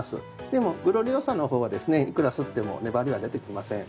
でもグロリオサの方はですねいくらすっても粘りは出てきません。